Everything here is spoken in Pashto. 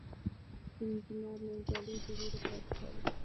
د انجنیر ننګیالي د ورېرې فاتحه وه.